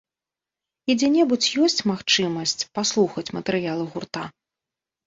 І дзе-небудзь ёсць магчымасць паслухаць матэрыялы гурта?